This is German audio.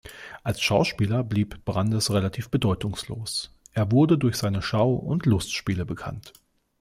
Als Schauspieler blieb Brandes relativ bedeutungslos; er wurde durch seine Schau- und Lustspiele bekannt.